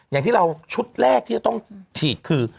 อย่างที่เราชุดแรกที่จะต้องฉีดคือ